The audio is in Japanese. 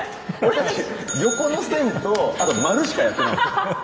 横の線とあと丸しかやってない。